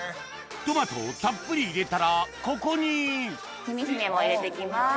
トマトをたっぷり入れたらここにきみひめも入れて行きます。